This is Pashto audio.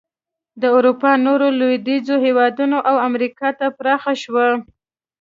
د اروپا نورو لوېدیځو هېوادونو او امریکا ته پراخه شوه.